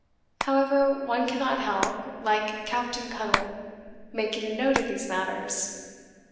However, one cannot help (like Captain Cuttle) making a note of these matters.